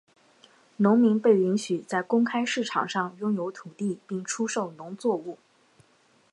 农民被允许在公开市场上拥有土地并出售农作物。